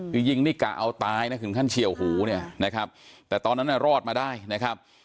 คือยิงนี่กะเอาตายนะถึงขั้นเฉียวหูเนี่ยนะครับแต่ตอนนั้นน่ะรอดมาได้นะครับ